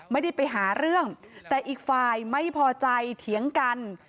ไม่ได้ไปหาเรื่องแต่อีกฝ่ายไม่พอใจเถียงกัน